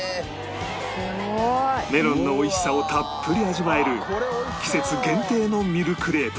すごい！メロンのおいしさをたっぷり味わえる季節限定のミルクレープに